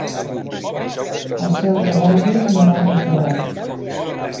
Al cel que vages, no vages davant.